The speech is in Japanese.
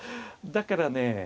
だからね